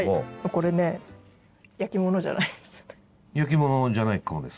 これね焼き物じゃないかもです。